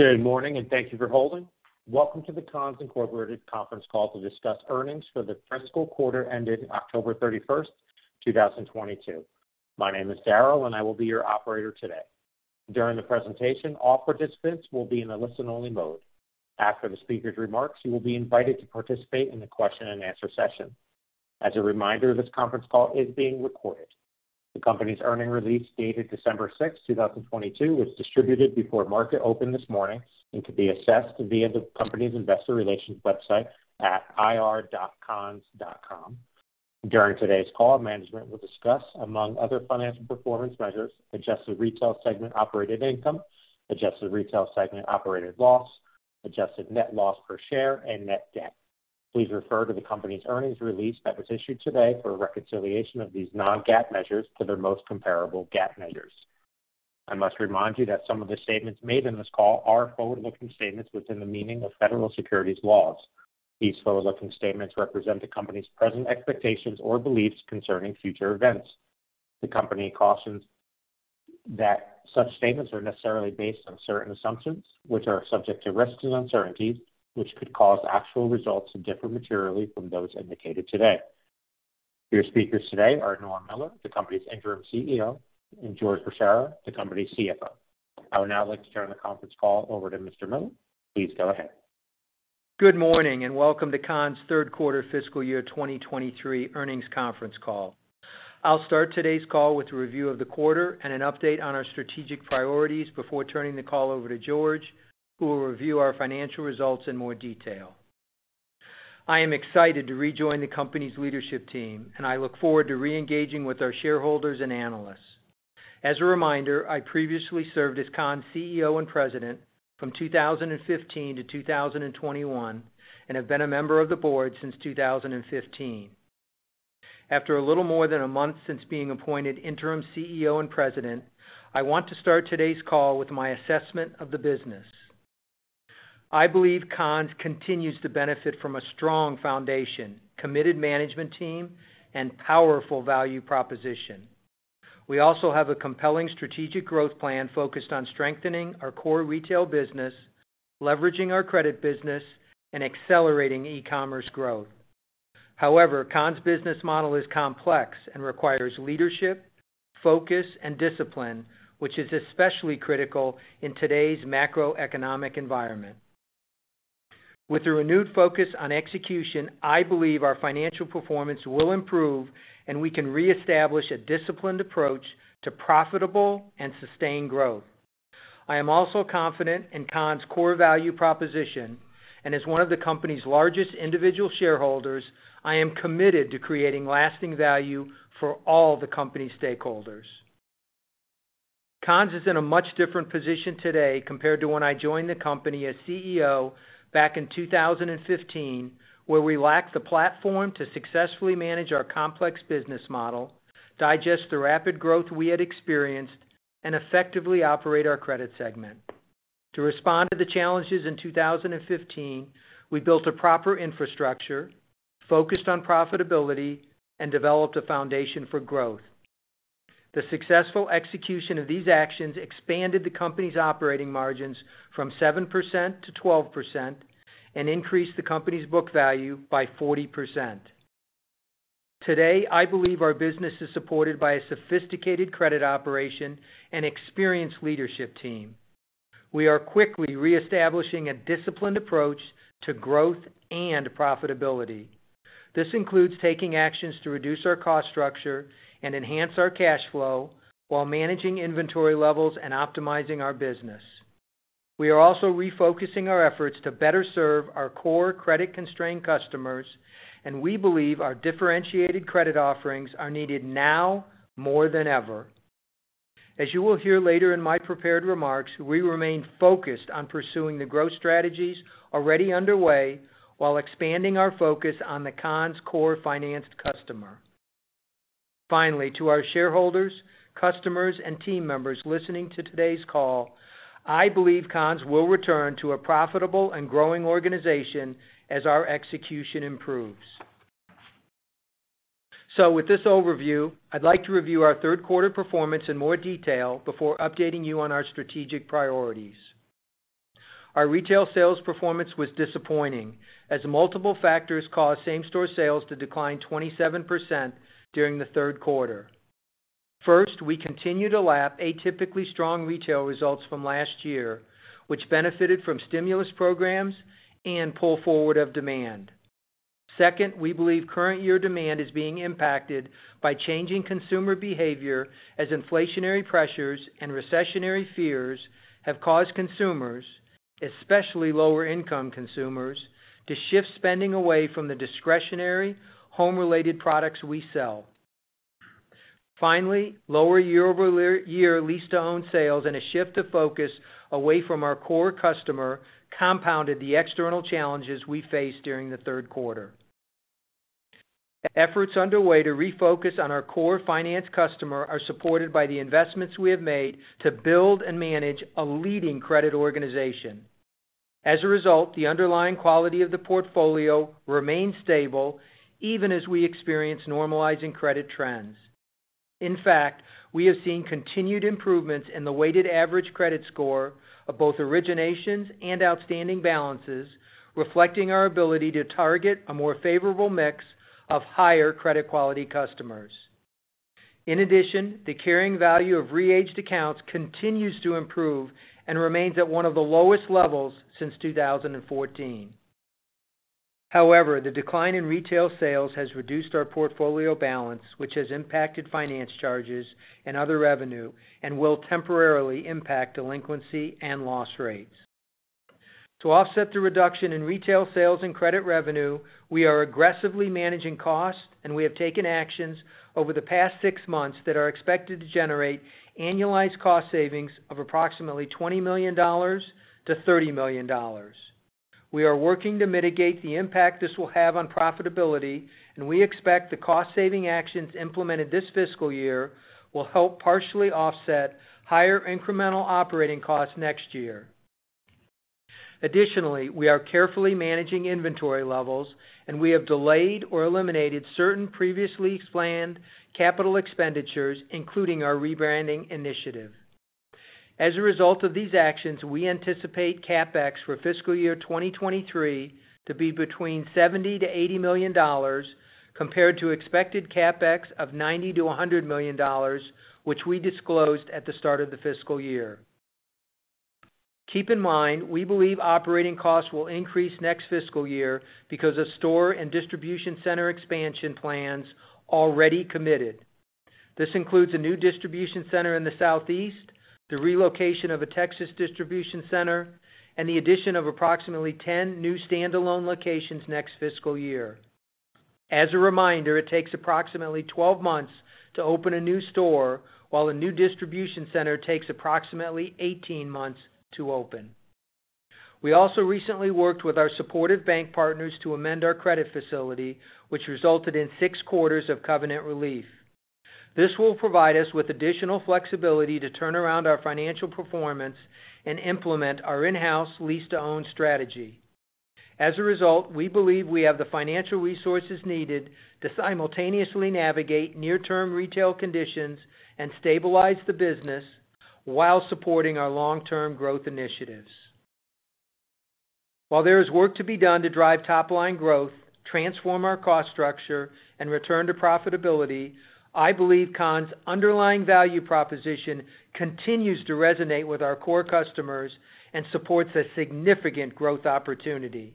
Good morning. Thank you for holding. Welcome to the Conn's, Inc Conference Call to discuss earnings for the fiscal quarter ended October 31, 2022. My name is Daryl. I will be your operator today. During the presentation, all participants will be in a listen-only mode. After the speaker's remarks, you will be invited to participate in a question-and-answer session. As a reminder, this conference call is being recorded. The company's earnings release dated December 6, 2022, was distributed before market open this morning and could be assessed via the company's investor relations website at ir.conns.com. During today's call, management will discuss, among other financial performance measures, adjusted Retail segment operated income, adjusted Retail segment operated loss, adjusted net loss per share and net debt. Please refer to the company's earnings release that was issued today for a reconciliation of these non-GAAP measures to their most comparable GAAP measures. I must remind you that some of the statements made in this call are forward-looking statements within the meaning of federal securities laws. These forward-looking statements represent the company's present expectations or beliefs concerning future events. The company cautions that such statements are necessarily based on certain assumptions which are subject to risks and uncertainties, which could cause actual results to differ materially from those indicated today. Your speakers today are Norm Miller, the company's Interim CEO, and George Bchara, the company's CFO. I would now like to turn the conference call over to Mr. Miller. Please go ahead. Good morning. Welcome to Conn's Third Quarter Fiscal Year 2023 Earnings Conference Call. I'll start today's call with a review of the quarter and an update on our strategic priorities before turning the call over to George, who will review our financial results in more detail. I am excited to rejoin the company's Leadership Team, and I look forward to re-engaging with our shareholders and analysts. As a reminder, I previously served as Conn's CEO and President from 2015-2021 and have been a member of the Board since 2015. After a little more than a month since being appointed interim CEO and President, I want to start today's call with my assessment of the business. I believe Conn's continues to benefit from a strong foundation, committed Management Team, and powerful value proposition. We also have a compelling strategic growth plan focused on strengthening our core retail business, leveraging our credit business, and accelerating e-commerce growth. Conn's business model is complex and requires leadership, focus, and discipline, which is especially critical in today's macroeconomic environment. With a renewed focus on execution, I believe our financial performance will improve, and we can reestablish a disciplined approach to profitable and sustained growth. I am also confident in Conn's core value proposition, as one of the company's largest individual shareholders, I am committed to creating lasting value for all the company stakeholders. Conn's is in a much different position today compared to when I joined the company as CEO back in 2015, where we lacked the platform to successfully manage our complex business model, digest the rapid growth we had experienced, and effectively operate our Credit segment. To respond to the challenges in 2015, we built a proper infrastructure focused on profitability and developed a foundation for growth. The successful execution of these actions expanded the company's operating margins from 7%-12% and increased the company's book value by 40%. Today, I believe our business is supported by a sophisticated credit operation and experienced Leadership Team. We are quickly reestablishing a disciplined approach to growth and profitability. This includes taking actions to reduce our cost structure and enhance our cash flow while managing inventory levels and optimizing our business. We are also refocusing our efforts to better serve our core credit-constrained customers. We believe our differentiated credit offerings are needed now more than ever. As you will hear later in my prepared remarks, we remain focused on pursuing the growth strategies already underway while expanding our focus on the Conn's core financed customer. Finally, to our shareholders, customers, and team members listening to today's call, I believe Conn's will return to a profitable and growing organization as our execution improves. With this overview, I'd like to review our third quarter performance in more detail before updating you on our strategic priorities. Our retail sales performance was disappointing as multiple factors caused same-store sales to decline 27% during the third quarter. First, we continue to lap atypically strong retail results from last year, which benefited from stimulus programs and pull forward of demand. We believe current year demand is being impacted by changing consumer behavior as inflationary pressures and recessionary fears have caused consumers, especially lower-income consumers, to shift spending away from the discretionary home-related products we sell. Finally, lower year-over-year lease-to-own sales and a shift of focus away from our core customer compounded the external challenges we faced during the third quarter. Efforts underway to refocus on our core finance customer are supported by the investments we have made to build and manage a leading credit organization. As a result, the underlying quality of the portfolio remains stable even as we experience normalizing credit trends. We have seen continued improvements in the weighted average credit score of both originations and outstanding balances, reflecting our ability to target a more favorable mix of higher credit quality customers. In addition, the carrying value of re-aged accounts continues to improve and remains at one of the lowest levels since 2014. However, the decline in retail sales has reduced our portfolio balance, which has impacted finance charges and other revenue and will temporarily impact delinquency and loss rates. To offset the reduction in retail sales and credit revenue, we are aggressively managing costs, and we have taken actions over the past six months that are expected to generate annualized cost savings of approximately $20 million to $30 million. We are working to mitigate the impact this will have on profitability, and we expect the cost-saving actions implemented this fiscal year will help partially offset higher incremental operating costs next year. Additionally, we are carefully managing inventory levels, and we have delayed or eliminated certain previously planned capital expenditures, including our rebranding initiative. As a result of these actions, we anticipate CapEx for fiscal year 2023 to be between $70 million to $80 million compared to expected CapEx of $90 million to $100 million, which we disclosed at the start of the fiscal year. Keep in mind, we believe operating costs will increase next fiscal year because of store and distribution center expansion plans already committed. This includes a new distribution center in the Southeast, the relocation of a Texas distribution center, and the addition of approximately 10 new standalone locations next fiscal year. As a reminder, it takes approximately 12 months to open a new store, while a new distribution center takes approximately 18 months to open. We also recently worked with our supportive bank partners to amend our credit facility, which resulted in six quarters of covenant relief. This will provide us with additional flexibility to turn around our financial performance and implement our in-house lease-to-own strategy. As a result, we believe we have the financial resources needed to simultaneously navigate near-term retail conditions and stabilize the business while supporting our long-term growth initiatives. While there is work to be done to drive top-line growth, transform our cost structure, and return to profitability, I believe Conn's' underlying value proposition continues to resonate with our core customers and supports a significant growth opportunity.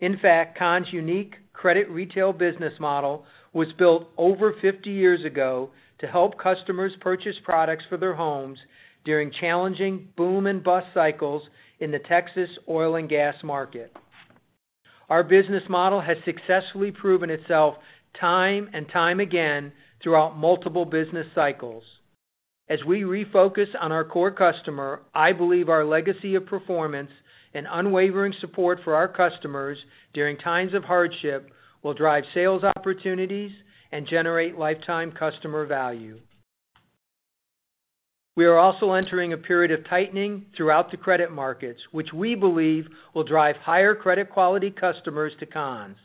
In fact, Conn's' unique credit retail business model was built over 50 years ago to help customers purchase products for their homes during challenging boom and bust cycles in the Texas oil and gas market. Our business model has successfully proven itself time and time again throughout multiple business cycles. As we refocus on our core customer, I believe our legacy of performance and unwavering support for our customers during times of hardship will drive sales opportunities and generate lifetime customer value. We are also entering a period of tightening throughout the credit markets, which we believe will drive higher credit quality customers to Conn's.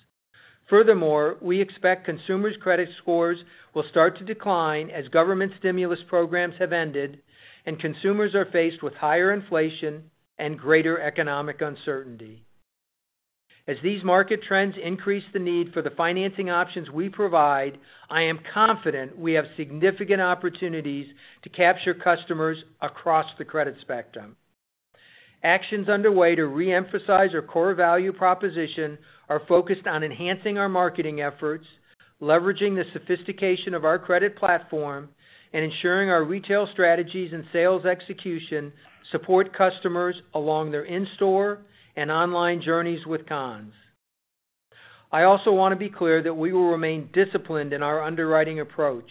Furthermore, we expect consumers' credit scores will start to decline as government stimulus programs have ended and consumers are faced with higher inflation and greater economic uncertainty. As these market trends increase the need for the financing options we provide, I am confident we have significant opportunities to capture customers across the credit spectrum. Actions underway to re-emphasize our core value proposition are focused on enhancing our marketing efforts, leveraging the sophistication of our credit platform, and ensuring our retail strategies and sales execution support customers along their in-store and online journeys with Conn's. I also want to be clear that we will remain disciplined in our underwriting approach.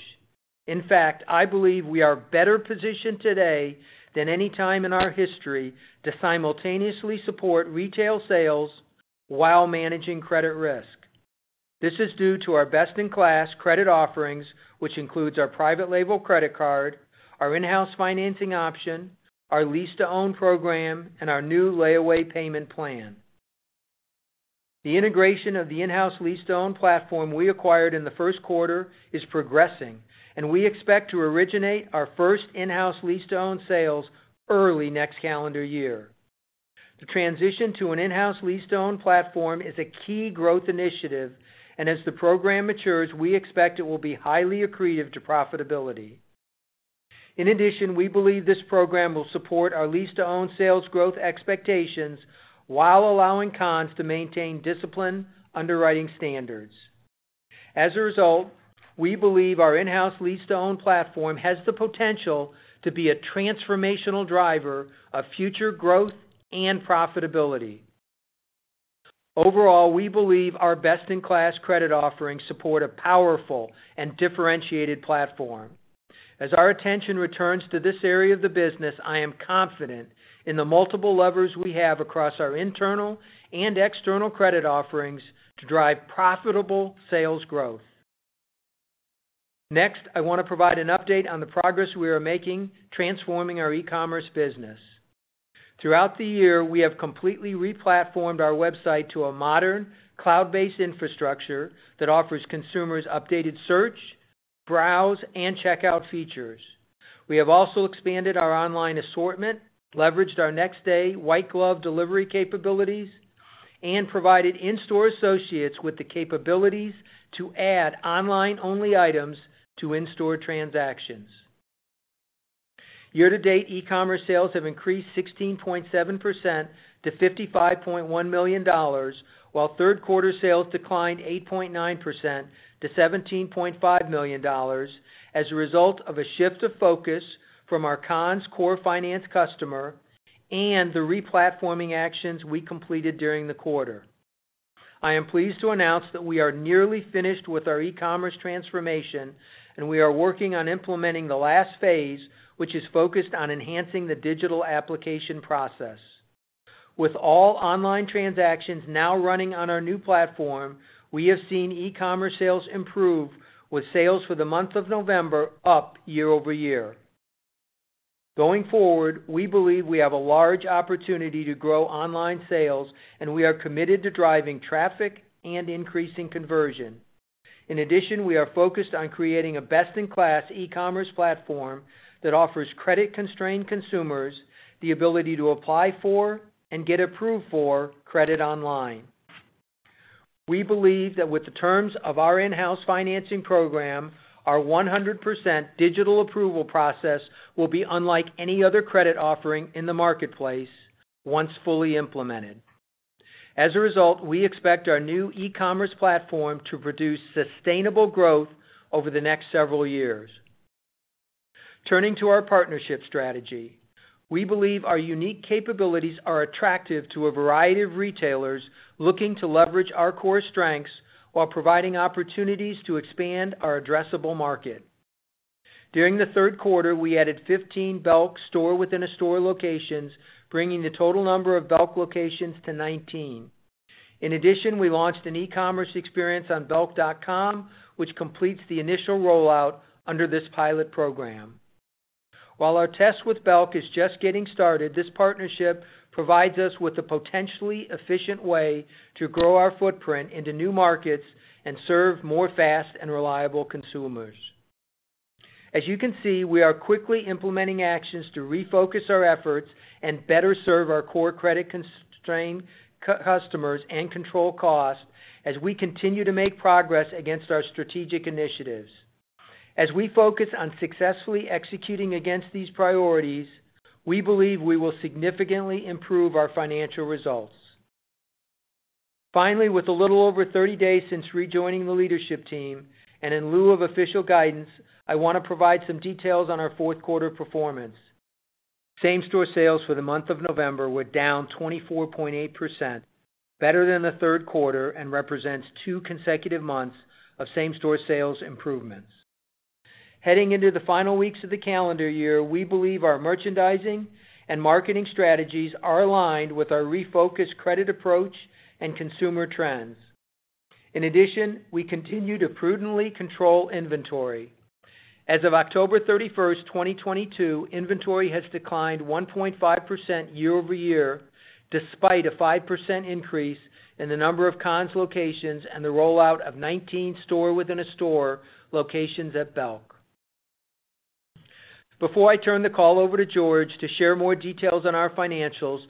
In fact, I believe we are better positioned today than any time in our history to simultaneously support retail sales while managing credit risk. This is due to our best-in-class credit offerings, which includes our private label credit card, our in-house financing option, our lease-to-own program, and our new layaway payment plan. The integration of the in-house lease-to-own platform we acquired in the first quarter is progressing, and we expect to originate our first in-house lease-to-own sales early next calendar year. The transition to an in-house lease-to-own platform is a key growth initiative, and as the program matures, we expect it will be highly accretive to profitability. In addition, we believe this program will support our lease-to-own sales growth expectations while allowing Conn's to maintain disciplined underwriting standards. We believe our in-house lease-to-own platform has the potential to be a transformational driver of future growth and profitability. We believe our best-in-class credit offerings support a powerful and differentiated platform. Our attention returns to this area of the business, I am confident in the multiple levers we have across our internal and external credit offerings to drive profitable sales growth. I want to provide an update on the progress we are making transforming our e-commerce business. Throughout the year, we have completely re-platformed our website to a modern cloud-based infrastructure that offers consumers updated search, browse, and checkout features. We have also expanded our online assortment, leveraged our next-day white glove delivery capabilities, and provided in-store associates with the capabilities to add online-only items to in-store transactions. Year-to-date, e-commerce sales have increased 16.7% to $55.1 million, while third quarter sales declined 8.9% to $17.5 million as a result of a shift of focus from our Conn's core finance customer and the re-platforming actions we completed during the quarter. I am pleased to announce that we are nearly finished with our e-commerce transformation, we are working on implementing the last phase, which is focused on enhancing the digital application process. With all online transactions now running on our new platform, we have seen e-commerce sales improve with sales for the month of November up year-over-year. Going forward, we believe we have a large opportunity to grow online sales, we are committed to driving traffic and increasing conversion. We are focused on creating a best-in-class e-commerce platform that offers credit-constrained consumers the ability to apply for and get approved for credit online. We believe that with the terms of our in-house financing program, our 100% digital approval process will be unlike any other credit offering in the marketplace once fully implemented. We expect our new e-commerce platform to produce sustainable growth over the next several years. Turning to our partnership strategy, we believe our unique capabilities are attractive to a variety of retailers looking to leverage our core strengths while providing opportunities to expand our addressable market. During the third quarter, we added 15 Belk store within a store locations, bringing the total number of Belk locations to 19. We launched an e-commerce experience on belk.com, which completes the initial rollout under this pilot program. While our test with Belk is just getting started, this partnership provides us with a potentially efficient way to grow our footprint into new markets and serve more fast and reliable consumers. As you can see, we are quickly implementing actions to refocus our efforts and better serve our core credit-constrained customers and control costs as we continue to make progress against our strategic initiatives. As we focus on successfully executing against these priorities, we believe we will significantly improve our financial results. Finally, with a little over 30 days since rejoining the Leadership Team and in lieu of official guidance, I wanna provide some details on our fourth quarter performance. Same-store sales for the month of November were down 24.8%, better than the third quarter, and represents two consecutive months of same-store sales improvements. Heading into the final weeks of the calendar year, we believe our merchandising and marketing strategies are aligned with our refocused credit approach and consumer trends. We continue to prudently control inventory. As of October 31, 2022, inventory has declined 1.5% year-over-year, despite a 5% increase in the number of Conn's locations and the rollout of 19 store within a store locations at Belk. Before I turn the call over to George to share more details on our financials,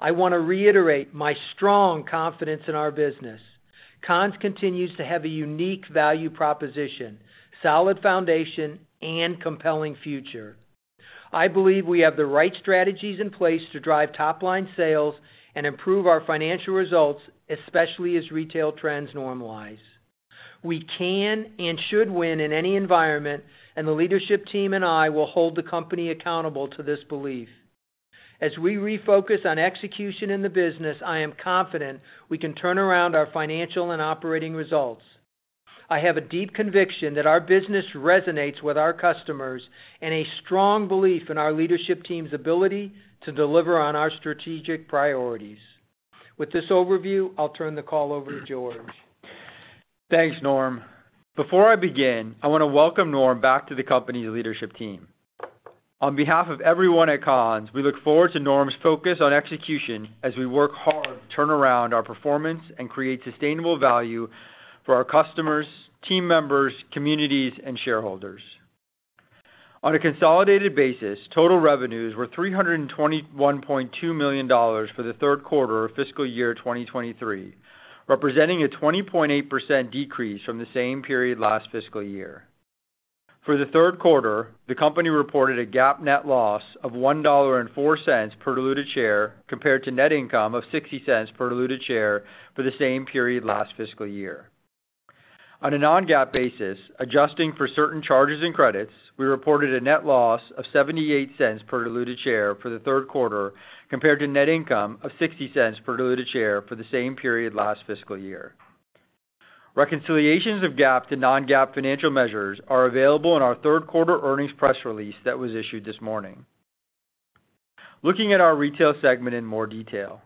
I want to reiterate my strong confidence in our business. Conn's continues to have a unique value proposition, solid foundation, and compelling future. I believe we have the right strategies in place to drive top-line sales and improve our financial results, especially as retail trends normalize. We can and should win in any environment. The Leadership Team and I will hold the company accountable to this belief. As we refocus on execution in the business, I am confident we can turn around our financial and operating results. I have a deep conviction that our business resonates with our customers and a strong belief in our Leadership Team's ability to deliver on our strategic priorities. With this overview, I'll turn the call over to George. Thanks, Norm. Before I begin, I want to welcome Norm back to the company's Leadership Team. On behalf of everyone at Conn's, we look forward to Norm's focus on execution as we work hard to turn around our performance and create sustainable value for our customers, team members, communities, and shareholders. On a consolidated basis, total revenues were $321.2 million for the third quarter of fiscal year 2023, representing a 20.8% decrease from the same period last fiscal year. For the third quarter, the company reported a GAAP net loss of $1.04 per diluted share, compared to net income of $0.60 per diluted share for the same period last fiscal year. On a non-GAAP basis, adjusting for certain charges and credits, we reported a net loss of $0.78 per diluted share for the third quarter, compared to net income of $0.60 per diluted share for the same period last fiscal year. Reconciliations of GAAP to non-GAAP financial measures are available in our third quarter earnings press release that was issued this morning. Looking at our Retail segment in more detail.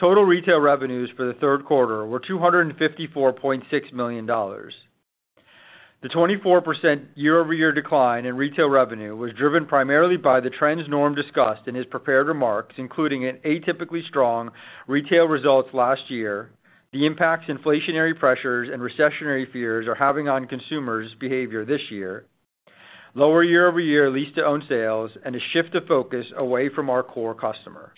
Total Retail revenues for the third quarter were $254.6 million. The 24% year-over-year decline in Retail revenue was driven primarily by the trends Norm discussed in his prepared remarks, including an atypically strong retail results last year, the impact inflationary pressures and recessionary fears are having on consumers behavior this year, lower year-over-year lease-to-own sales, and a shift of focus away from our core customer.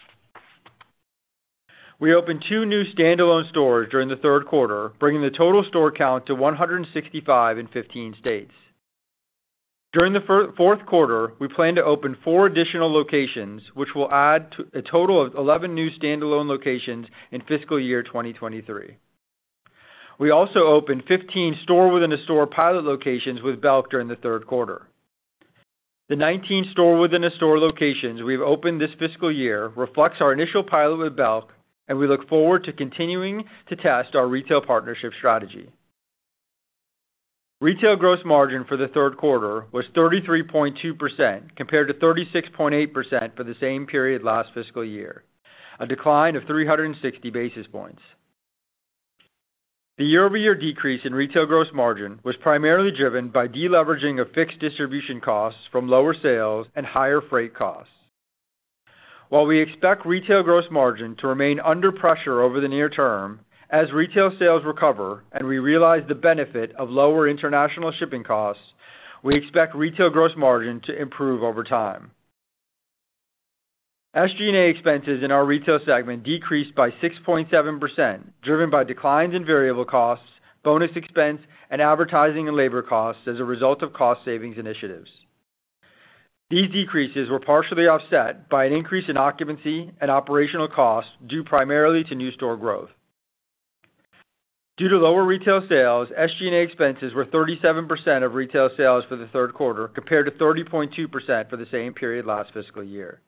We opened 2 new standalone stores during the third quarter, bringing the total store count to 165 in 15 states. During the fourth quarter, we plan to open 4 additional locations, which will add to a total of 11 new standalone locations in fiscal year 2023. We also opened 15 store within a store pilot locations with Belk during the third quarter. The 19 store within a store locations we've opened this fiscal year reflects our initial pilot with Belk, and we look forward to continuing to test our retail partnership strategy. Retail gross margin for the third quarter was 33.2% compared to 36.8% for the same period last fiscal year. A decline of 360 basis points. The year-over-year decrease in Retail gross margin was primarily driven by deleveraging of fixed distribution costs from lower sales and higher freight costs. While we expect Retail gross margin to remain under pressure over the near term, as Retail sales recover and we realize the benefit of lower international shipping costs, we expect Retail gross margin to improve over time. SG&A expenses in our Retail segment decreased by 6.7%, driven by declines in variable costs, bonus expense, and advertising and labor costs as a result of cost savings initiatives. These decreases were partially offset by an increase in occupancy and operational costs, due primarily to new store growth. Due to lower Retail sales, SG&A expenses were 37% of Retail sales for the third quarter, compared to 30.2% for the same period last fiscal year.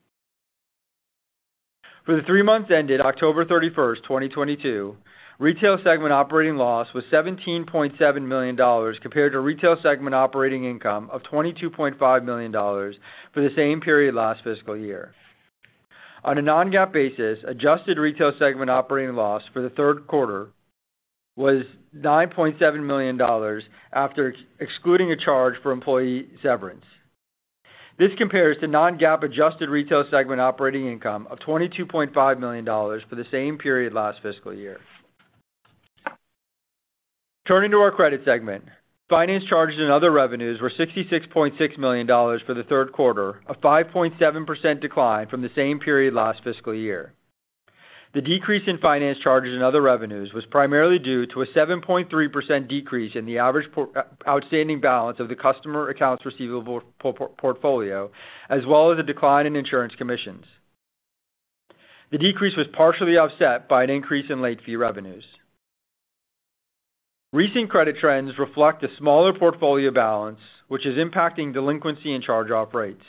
For the three months ended October 31, 2022, Retail segment operating loss was $17.7 million compared to Retail segment operating income of $22.5 million for the same period last fiscal year. On a non-GAAP basis, adjusted Retail segment operating loss for the third quarter was $9.7 million after excluding a charge for employee severance. This compares to non-GAAP adjusted Retail segment operating income of $22.5 million for the same period last fiscal year. Turning to our Credit segment. Finance charges and other revenues were $66.6 million for the third quarter, a 5.7% decline from the same period last fiscal year. The decrease in finance charges and other revenues was primarily due to a 7.3% decrease in the average outstanding balance of the customer accounts receivable portfolio, as well as a decline in insurance commissions. The decrease was partially offset by an increase in late fee revenues. Recent credit trends reflect a smaller portfolio balance, which is impacting delinquency and charge-off rates.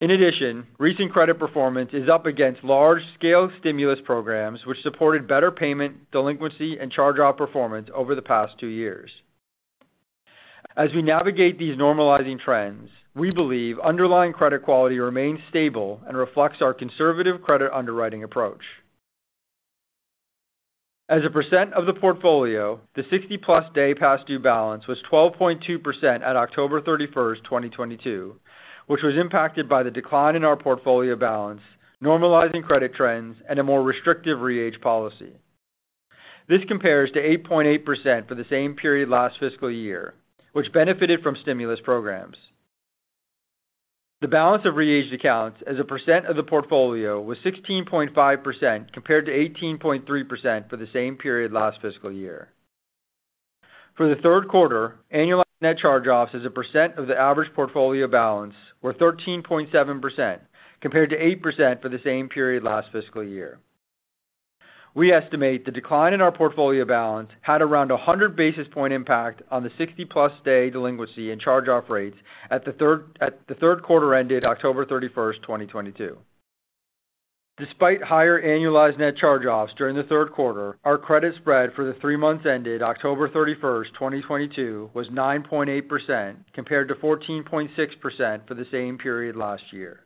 In addition, recent credit performance is up against large-scale stimulus programs, which supported better payment, delinquency, and charge-off performance over the past two years. As we navigate these normalizing trends, we believe underlying credit quality remains stable and reflects our conservative credit underwriting approach. As a percent of the portfolio, the 60+ day past due balance was 12.2% at October 31st, 2022, which was impacted by the decline in our portfolio balance, normalizing credit trends, and a more restrictive re-age policy. This compares to 8.8% for the same period last fiscal year, which benefited from stimulus programs. The balance of re-aged accounts as a percent of the portfolio was 16.5%, compared to 18.3% for the same period last fiscal year. For the third quarter, annualized net charge-offs as a percent of the average portfolio balance were 13.7%, compared to 8% for the same period last fiscal year. We estimate the decline in our portfolio balance had around a 100 basis point impact on the 60+ day delinquency and charge-off rates at the third quarter ended October 31, 2022. Despite higher annualized net charge-offs during the third quarter, our credit spread for the three months ended October 31, 2022 was 9.8%, compared to 14.6% for the same period last year.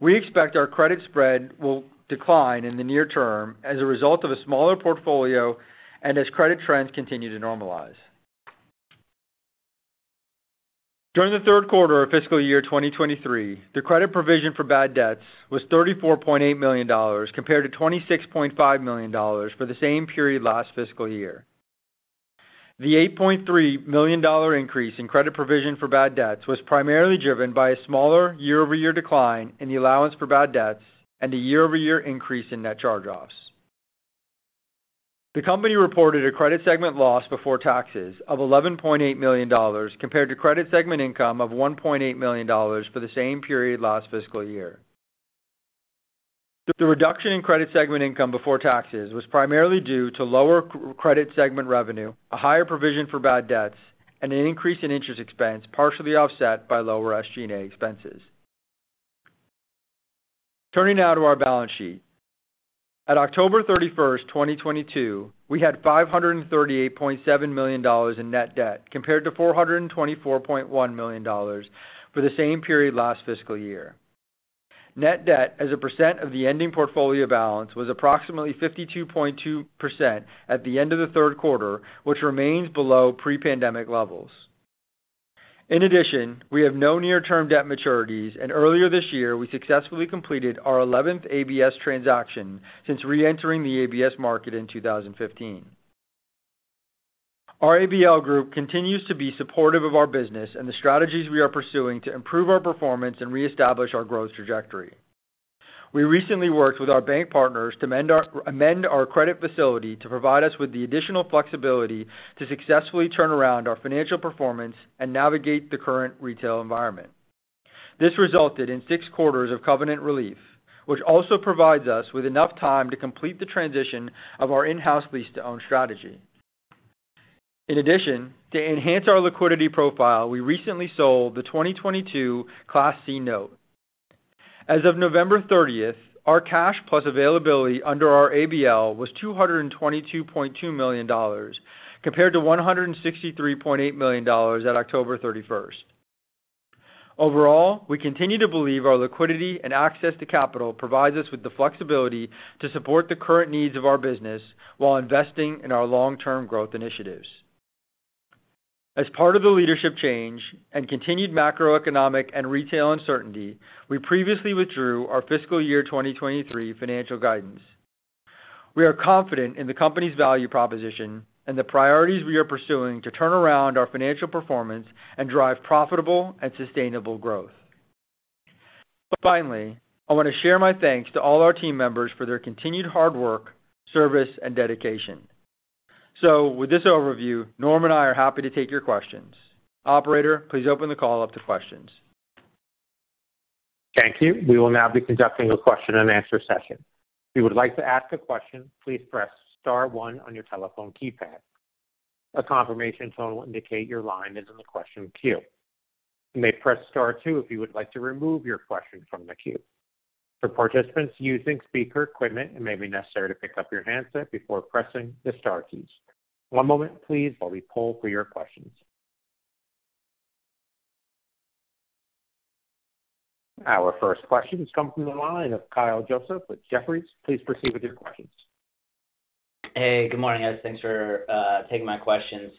We expect our credit spread will decline in the near term as a result of a smaller portfolio and as credit trends continue to normalize. During the third quarter of fiscal year 2023, the credit provision for bad debts was $34.8 million, compared to $26.5 million for the same period last fiscal year. The $8.3 million increase in credit provision for bad debts was primarily driven by a smaller year-over-year decline in the allowance for bad debts and a year-over-year increase in net charge-offs. The company reported a Credit segment loss before taxes of $11.8 million, compared to Credit segment income of $1.8 million for the same period last fiscal year. The reduction in Credit segment income before taxes was primarily due to lower Credit segment revenue, a higher provision for bad debts, and an increase in interest expense, partially offset by lower SG&A expenses. Turning now to our balance sheet. At October 31, 2022, we had $538.7 million in net debt, compared to $424.1 million for the same period last fiscal year. Net debt as a percent of the ending portfolio balance was approximately 52.2% at the end of the third quarter, which remains below pre-pandemic levels. We have no near-term debt maturities, and earlier this year, we successfully completed our eleventh ABS transaction since reentering the ABS market in 2015. Our ABL group continues to be supportive of our business and the strategies we are pursuing to improve our performance and reestablish our growth trajectory. We recently worked with our bank partners to amend our credit facility to provide us with the additional flexibility to successfully turn around our financial performance and navigate the current retail environment. This resulted in 6 quarters of covenant relief, which also provides us with enough time to complete the transition of our in-house lease-to-own strategy. To enhance our liquidity profile, we recently sold the 2022 Class C note. As of November 30th, our cash plus availability under our ABL was $222.2 million compared to $163.8 million at October 31st. Overall, we continue to believe our liquidity and access to capital provides us with the flexibility to support the current needs of our business while investing in our long-term growth initiatives. As part of the leadership change and continued macroeconomic and retail uncertainty, we previously withdrew our fiscal year 2023 financial guidance. We are confident in the company's value proposition and the priorities we are pursuing to turn around our financial performance and drive profitable and sustainable growth. Finally, I want to share my thanks to all our team members for their continued hard work, service, and dedication. With this overview, Norm and I are happy to take your questions. Operator, please open the call up to questions. Thank you. We will now be conducting a question-and-answer session. If you would like to ask a question, please press star one on your telephone keypad. A confirmation tone will indicate your line is in the question queue. You may press star two if you would like to remove your question from the queue. For participants using speaker equipment, it may be necessary to pick up your handset before pressing the star keys. One moment please while we poll for your questions. Our first question has come from the line of Kyle Joseph with Jefferies. Please proceed with your questions. Hey, good morning, guys. Thanks for taking my questions.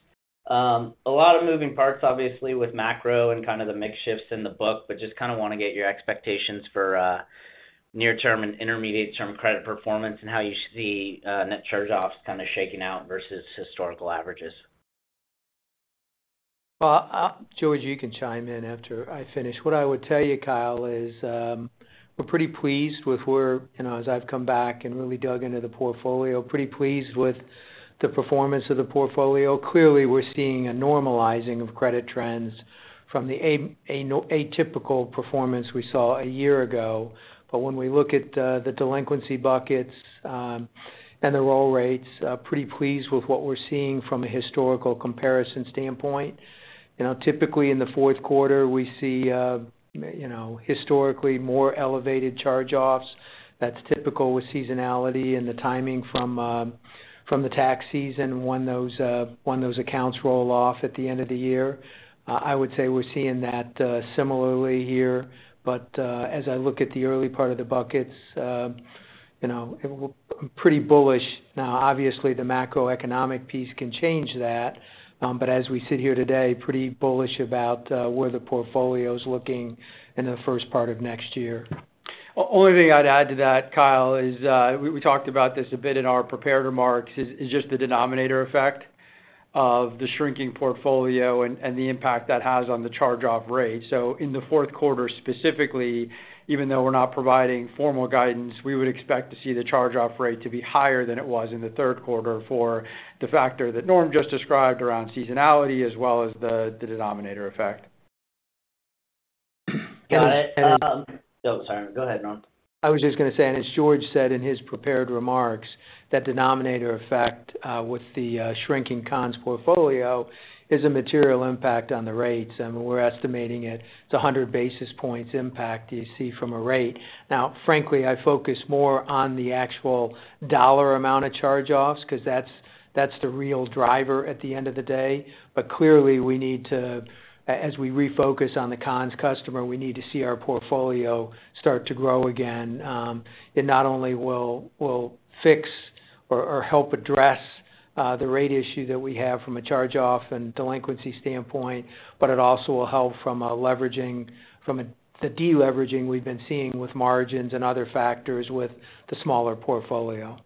A lot of moving parts, obviously, with macro and kind of the mix shifts in the book, but just kind of want to get your expectations for near-term and intermediate-term Credit performance and how you see net charge-offs kind of shaking out versus historical averages. Well, George, you can chime in after I finish. What I would tell you, Kyle, is, we're pretty pleased with where as I've come back and really dug into the portfolio, pretty pleased with the performance of the portfolio. Clearly, we're seeing a normalizing of credit trends from the atypical performance we saw a year ago. When we look at the delinquency buckets, and the roll rates, pretty pleased with what we're seeing from a historical comparison standpoint. You know, typically in the fourth quarter, we see, historically more elevated charge-offs. That's typical with seasonality and the timing from the tax season when those accounts roll off at the end of the year. I would say we're seeing that similarly here. As I look at the early part of the buckets, you know, pretty bullish. Obviously, the macroeconomic piece can change that. But as we sit here today, pretty bullish about where the portfolio is looking in the first part of next year. Only thing I'd add to that, Kyle, is we talked about this a bit in our prepared remarks, is just the denominator effect of the shrinking portfolio and the impact that has on the charge-off rate. In the fourth quarter, specifically, even though we're not providing formal guidance, we would expect to see the charge-off rate to be higher than it was in the third quarter for the factor that Norm just described around seasonality as well as the denominator effect. Got it. Oh, sorry. Go ahead, Norm. I was just gonna say, and as George said in his prepared remarks, that denominator effect, with the shrinking Conn's portfolio is a material impact on the rates, and we're estimating it to 100 basis points impact you see from a rate. Now, frankly, I focus more on the actual dollar amount of charge-offs because that's the real driver at the end of the day. Clearly, we need to, as we refocus on the Conn's customer, we need to see our portfolio start to grow again. It not only will fix or help address the rate issue that we have from a charge-off and delinquency standpoint, but it also will help from the deleveraging we've been seeing with margins and other factors with the smaller portfolio.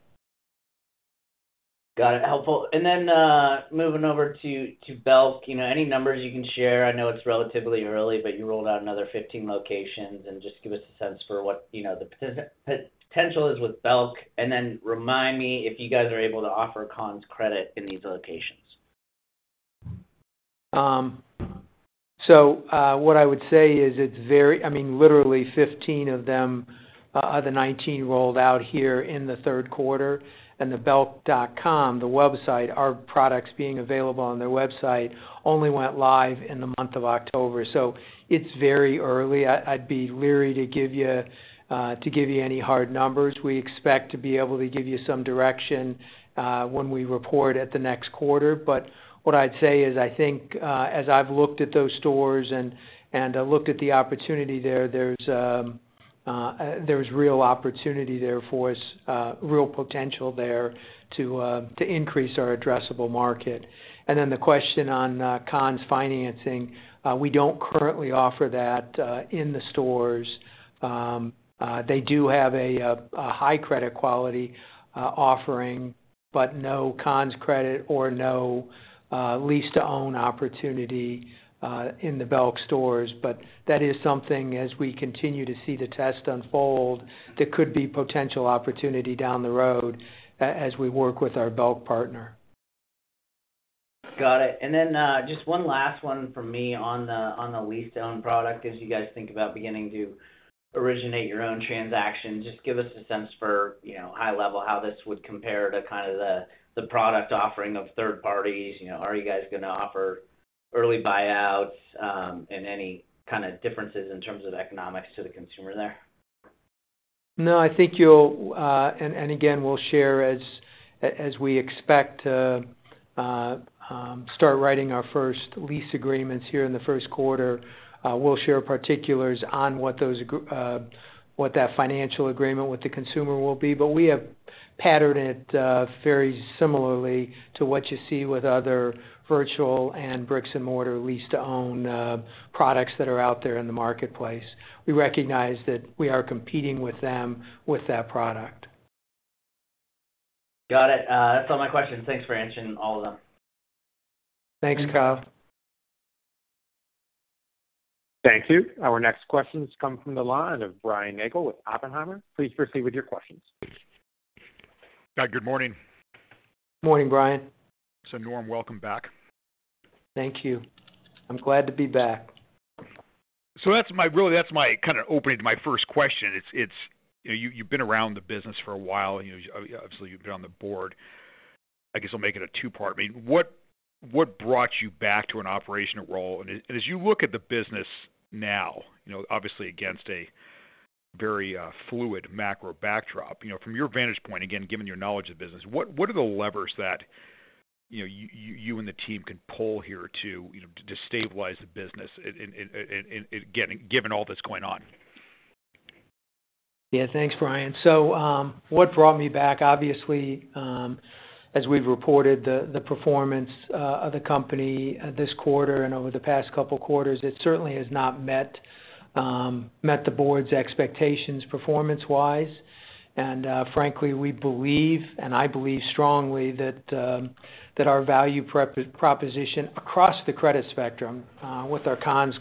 Got it. Helpful. Moving over to Belk. You know, any numbers you can share? I know it's relatively early, but you rolled out another 15 locations. Just give us a sense for what, you know, the potential is with Belk. Remind me if you guys are able to offer Conn's Credit in these locations? What I would say is, literally 15 of them, of the 19 rolled out here in the third quarter. The belk.com, the website, our products being available on their website only went live in the month of October. It's very early. I'd be leery to give you any hard numbers. We expect to be able to give you some direction when we report at the next quarter. What I'd say is, I think, as I've looked at those stores and looked at the opportunity there's real opportunity there for us, real potential there to increase our addressable market. The question on Conn's financing. We don't currently offer that in the stores. They do have a high credit quality offering, but no Conn's Credit or no lease-to-own opportunity in the Belk stores. That is something as we continue to see the test unfold, there could be potential opportunity down the road as we work with our Belk partner. Got it. Just one last one from me on the, on the lease-to-own product. As you guys think about beginning to originate your own transaction, just give us a sense for high level, how this would compare to the product offering of third parties. You know, are you guys gonna offer early buyouts, and any kind of differences in terms of economics to the consumer there? No, I think you'll. Again, we'll share as we expect to start writing our first lease agreements here in the first quarter, we'll share particulars on what that financial agreement with the consumer will be. We have patterned it very similarly to what you see with other virtual and bricks-and-mortar lease-to-own products that are out there in the marketplace. We recognize that we are competing with them with that product. Got it. That's all my questions. Thanks for answering all of them. Thanks, Kyle. Thank you. Our next question comes from the line of Brian Nagel with Oppenheimer. Please proceed with your questions. Good morning. Morning, Brian. Norm, welcome back. Thank you. I'm glad to be back. That's my opening to my first question. It's you've been around the business for a while. You know, obviously, you've been on the Board. I'll make it a two-part. What brought you back to an operational role? As you look at the business now obviously against a very fluid macro backdrop from your vantage point, again, given your knowledge of the business, what are the levers that, you know, you and the team can pull here to stabilize the business in given all that's going on? Thanks, Brian. What brought me back? Obviously, as we've reported the performance of the company this quarter and over the past couple quarters, it certainly has not met the Board's expectations performance-wise. Frankly, we believe, and I believe strongly that our value proposition across the credit spectrum, with our Conn's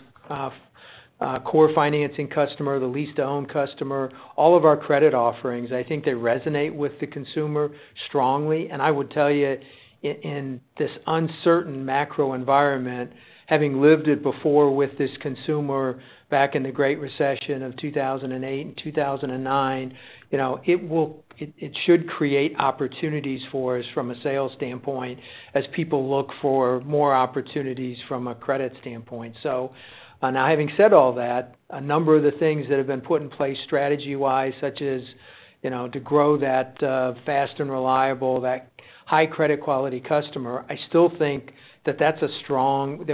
core financing customer, the lease-to-own customer, all of our credit offerings, I think they resonate with the consumer strongly. I would tell you in this uncertain macro environment, having lived it before with this consumer back in the Great Recession of 2008 and 2009 it should create opportunities for us from a sales standpoint as people look for more opportunities from a credit standpoint. Now having said all that, a number of the things that have been put in place strategy-wise, such as, you know, to grow that fast and reliable, that high credit quality customer, I still think that that's a strong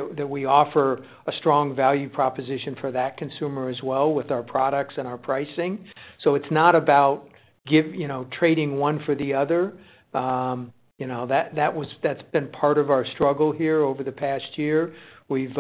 value proposition for that consumer as well with our products and our pricing. It's not about you know, trading one for the other. You know, that's been part of our struggle here over the past year. We've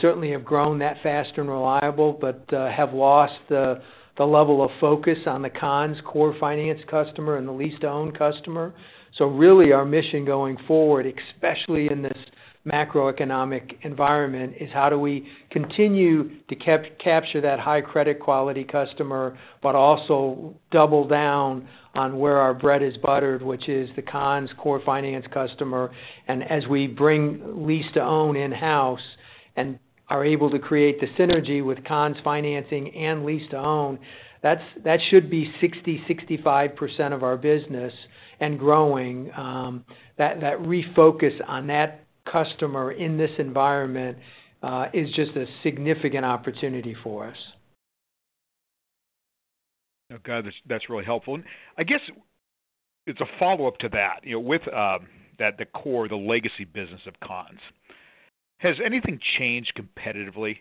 certainly have grown that fast and reliable, but have lost the level of focus on the Conn's core finance customer and the lease-to-own customer. Really our mission going forward, especially in this macroeconomic environment, is how do we continue to capture that high credit quality customer, but also double down on where our bread is buttered, which is the Conn's core finance customer. As we bring lease-to-own in-house and are able to create the synergy with Conn's financing and lease-to-own, that should be 60%-65% of our business and growing. That refocus on that customer in this environment, is just a significant opportunity for us. Okay. That's really helpful. I guess it's a follow-up to that. You know, with that the core, the legacy business of Conn's, has anything changed competitively,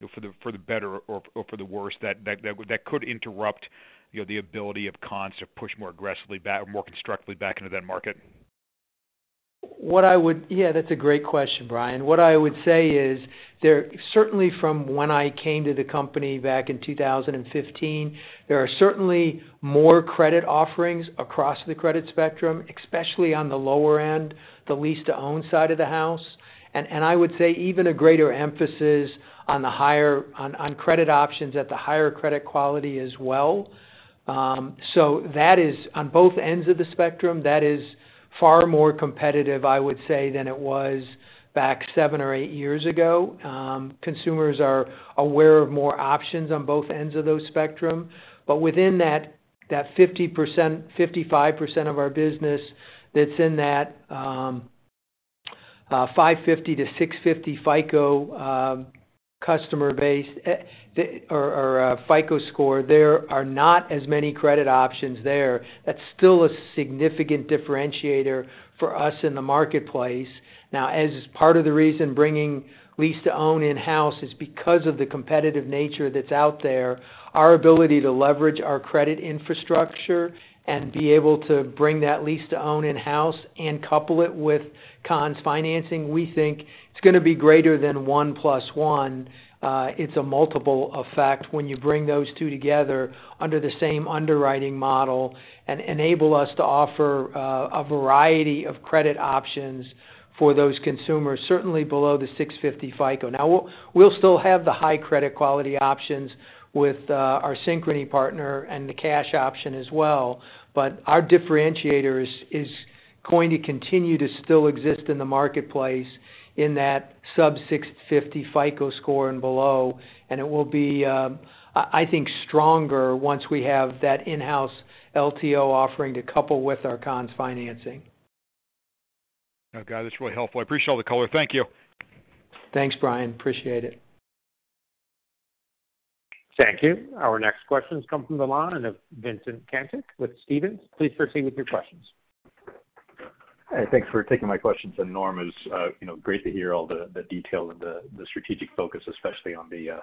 you know, for the, for the better or for the worse that could interrupt, you know, the ability of Conn's to push more aggressively or more constructively back into that market? That's a great question, Brian. What I would say is certainly from when I came to the company back in 2015, there are certainly more credit offerings across the credit spectrum, especially on the lower end, the lease-to-own side of the house. I would say even a greater emphasis on credit options at the higher credit quality as well. That is on both ends of the spectrum. That is far more competitive, I would say, than it was back seven or eight years ago. Consumers are aware of more options on both ends of those spectrum. Within that 50%-55% of our business that's in that 550 to 650 FICO customer base, or FICO score, there are not as many credit options there. That's still a significant differentiator for us in the marketplace. As part of the reason bringing lease-to-own in-house is because of the competitive nature that's out there, our ability to leverage our credit infrastructure and be able to bring that lease-to-own in-house and couple it with Conn's financing, we think it's gonna be greater than 1 + 1. It's a multiple effect when you bring those two together under the same underwriting model and enable us to offer a variety of credit options for those consumers, certainly below the 650 FICO. We'll still have the high credit quality options with our Synchrony partner and the cash option as well. Our differentiator is going to continue to still exist in the marketplace in that sub 650 FICO score and below. It will be, I think stronger once we have that in-house LTO offering to couple with our Conn's financing. Oh, got it. That's really helpful. I appreciate all the color. Thank you. Thanks, Brian. Appreciate it. Thank you. Our next question comes from the line of Vincent Caintic with Stephens. Please proceed with your questions. Hi, thanks for taking my questions. Norm, it's, you know, great to hear all the detail and the strategic focus, especially on the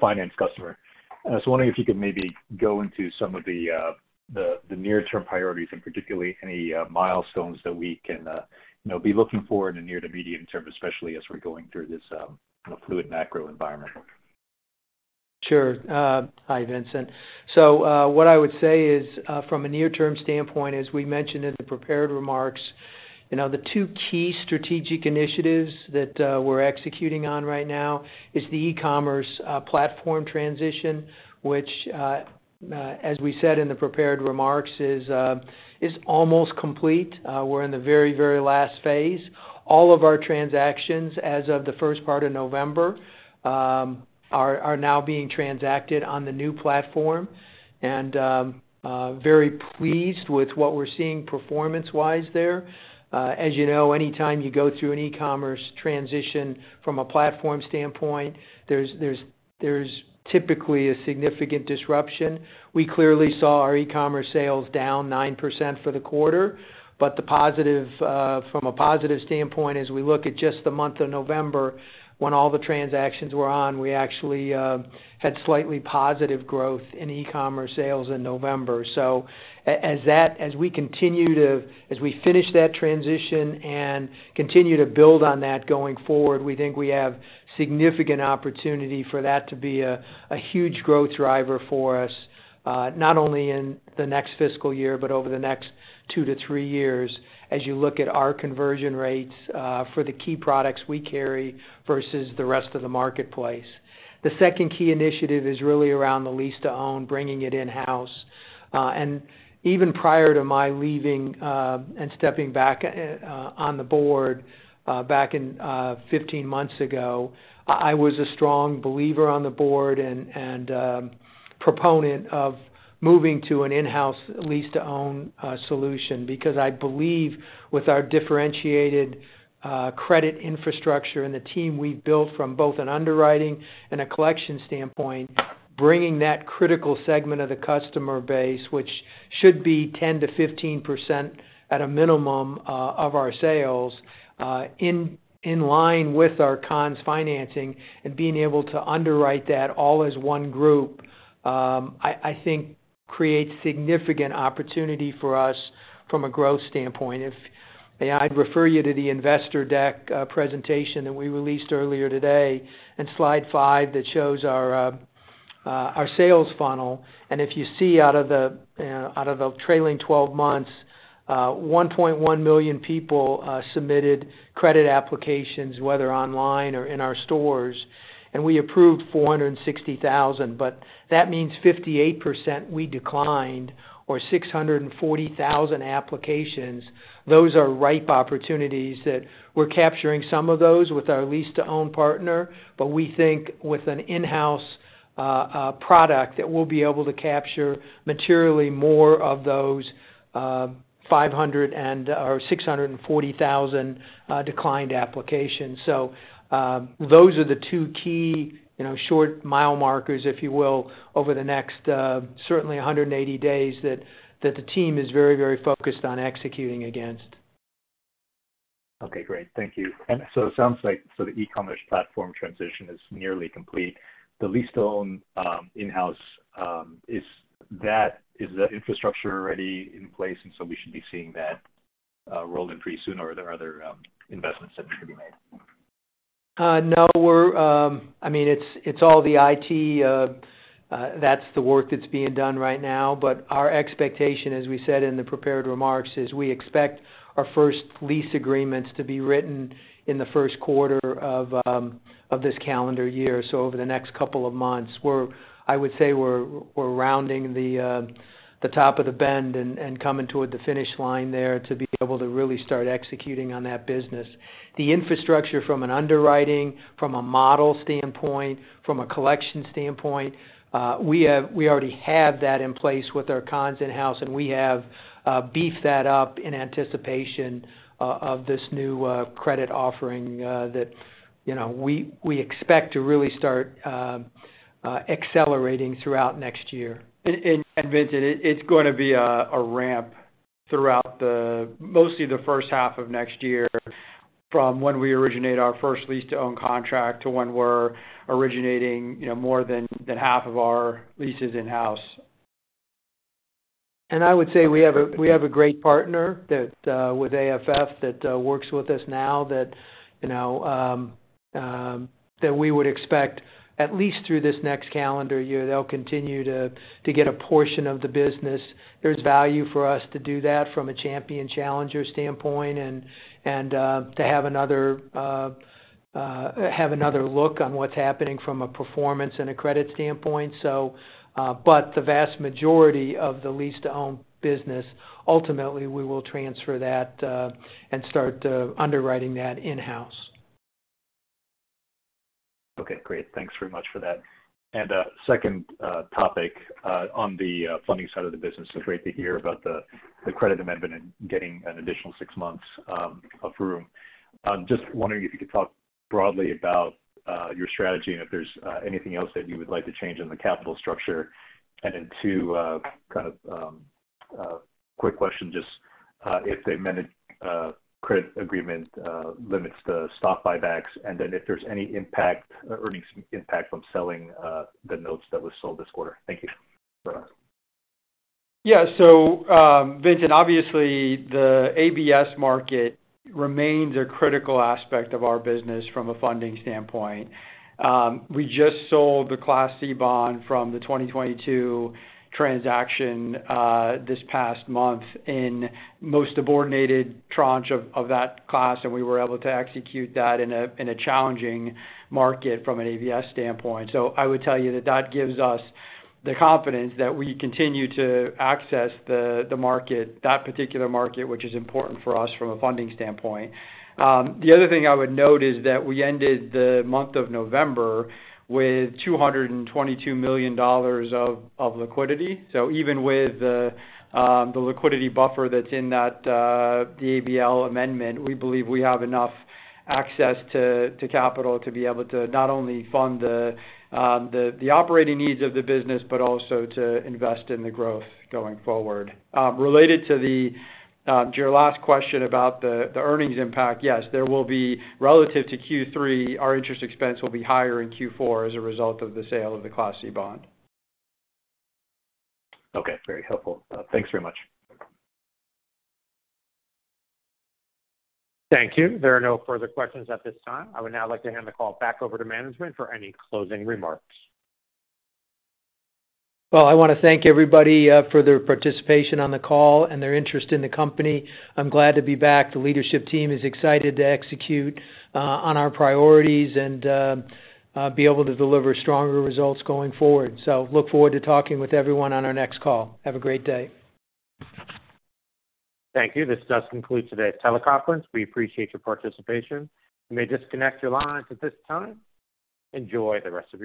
finance customer. I was wondering if you could maybe go into some of the near-term priorities and particularly any milestones that we can, you know, be looking for in the near to medium term, especially as we're going through this, you know, fluid macro environment? Sure. Hi, Vincent. What I would say is, from a near-term standpoint, as we mentioned in the prepared remarks, you know, the two key strategic initiatives that we're executing on right now is the e-commerce platform transition, which, as we said in the prepared remarks, is almost complete. We're in the very, very last phase. All of our transactions as of the first part of November, are now being transacted on the new platform, and very pleased with what we're seeing performance-wise there. As you know, anytime you go through an e-commerce transition from a platform standpoint, there's typically a significant disruption. We clearly saw our e-commerce sales down 9% for the quarter. From a positive standpoint, as we look at just the month of November when all the transactions were on, we actually had slightly positive growth in e-commerce sales in November. As we finish that transition and continue to build on that going forward, we think we have significant opportunity for that to be a huge growth driver for us, not only in the next fiscal year, but over the next 2-3 years, as you look at our conversion rates for the key products we carry versus the rest of the marketplace. The second key initiative is really around the lease-to-own, bringing it in-house. Even prior to my leaving, and stepping back, on the Board, back in, 15 months ago, I was a strong believer on the Board and proponent of moving to an in-house lease-to-own solution because I believe with our differentiated, credit infrastructure and the team we've built from both an underwriting and a collection standpoint, bringing that critical segment of the customer base, which should be 10%-15% at a minimum, of our sales, in line with our Conn's financing and being able to underwrite that all as one group, I think creates significant opportunity for us from a growth standpoint. I'd refer you to the investor deck, presentation that we released earlier today in slide five that shows our sales funnel. If you see out of the trailing 12 months, 1.1 million people submitted credit applications, whether online or in our stores, and we approved 460,000. That means 58% we declined or 640,000 applications. Those are ripe opportunities that we're capturing some of those with our lease-to-own partner. We think with an in-house product that we'll be able to capture materially more of those 640,000 declined applications. Those are the two key short mile markers, if you will, over the next certainly 180 days that the team is very, very focused on executing against. Okay, great. Thank you. It sounds like so the e-commerce platform transition is nearly complete. The lease-to-own, in-house, is that infrastructure already in place and so we should be seeing that rolling pretty soon or are there other investments that should be made? No, we're, I mean, it's all the IT. That's the work that's being done right now. Our expectation, as we said in the prepared remarks, is we expect our first lease agreements to be written in the first quarter of this calendar year. Over the next couple of months, I would say we're rounding the top of the bend and coming toward the finish line there to be able to really start executing on that business. The infrastructure from an underwriting, from a model standpoint, from a collection standpoint, we already have that in place with our Conn's in-house, and we have beefed that up in anticipation of this new credit offering, that, you know, we expect to really start accelerating throughout next year. Vincent, it's gonna be a ramp. Throughout mostly the first half of next year from when we originate our first lease-to-own contract to when we're originating, you know, more than half of our leases in-house. I would say we have a great partner that with AFF that works with us now that, you know, that we would expect at least through this next calendar year, they'll continue to get a portion of the business. There's value for us to do that from a champion challenger standpoint and to have another look on what's happening from a performance and a credit standpoint. The vast majority of the lease-to-own business, ultimately, we will transfer that and start underwriting that in-house. Okay, great. Thanks very much for that. Second topic on the funding side of the business. Great to hear about the credit amendment and getting an additional six months of room. Just wondering if you could talk broadly about your strategy and if there's anything else that you would like to change in the capital structure. Then two, kind of quick question, just if the amended credit agreement limits the stock buybacks, and then if there's any earnings impact from selling the notes that were sold this quarter? Thank you. Vincent, obviously the ABS market remains a critical aspect of our business from a funding standpoint. We just sold the Class C bond from the 2022 transaction this past month in most subordinated tranche of that class, and we were able to execute that in a challenging market from an ABS standpoint. I would tell you that that gives us the confidence that we continue to access the market, that particular market, which is important for us from a funding standpoint. The other thing I would note is that we ended the month of November with $222 million of liquidity. Even with the liquidity buffer that's in that, the ABL amendment, we believe we have enough access to capital to be able to not only fund the operating needs of the business, but also to invest in the growth going forward. Related to the to your last question about the earnings impact, yes, there will be relative to Q3, our interest expense will be higher in Q4 as a result of the sale of the Class C bond. Okay. Very helpful. Thanks very much. Thank you. There are no further questions at this time. I would now like to hand the call back over to management for any closing remarks. Well, I wanna thank everybody for their participation on the call and their interest in the company. I'm glad to be back. The Leadership Team is excited to execute on our priorities and be able to deliver stronger results going forward. Look forward to talking with everyone on our next call. Have a great day. Thank you. This does conclude today's teleconference. We appreciate your participation. You may disconnect your lines at this time. Enjoy the rest of your day.